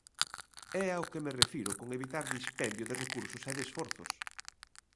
É ao que me refiro con evitar dispendio de recursos e de esforzos.